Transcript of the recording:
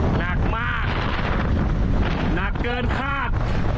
หนักมากหนักเกินคาด